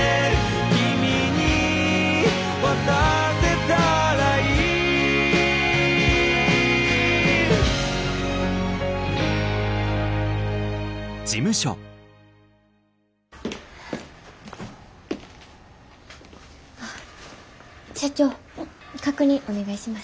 「君に渡せたらいい」社長確認お願いします。